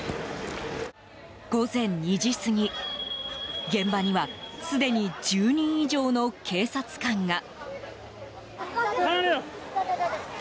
午前２時過ぎ、現場にはすでに１０人以上の警察官が。